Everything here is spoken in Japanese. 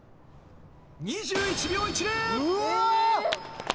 ２１秒１０。